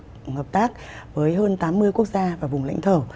mở rộng quan hệ hợp tác với hơn tám mươi quốc gia và vùng lãnh thổ